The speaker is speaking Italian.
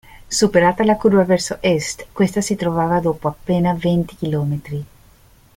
Superata la curva verso Est, questa si trovava dopo appena venti chilometri.